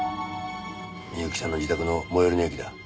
深雪さんの自宅の最寄りの駅だ。